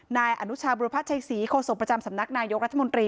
นายอนุชาบุรพัชชัยศรีโคศกประจำสำนักนายกรัฐมนตรี